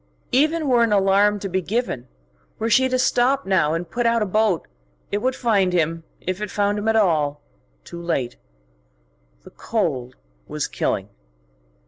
Even were an alarm to be given, were she to stop now and put out a boat, it would find him, if it found him at all, too late. The cold was killing.